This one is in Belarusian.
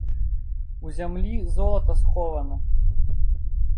У зямлі золата схована.